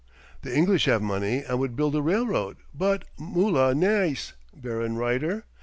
"The English have money and would build the railroad; but, 'Mollah neis' Baron Reuter?